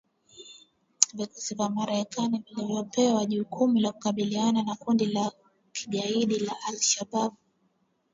Vikosi vya Marekani vilivyopewa jukumu la kukabiliana na kundi la kigaidi la al Shabab